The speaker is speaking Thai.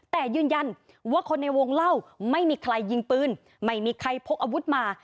แต่ยืนยันว่าคนในวงเล่าไม่มีใครยิงปืนไม่มีใครพกอาวุธมา